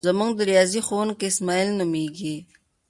زمونږ د ریاضی ښوونکی اسماعیل نومیږي.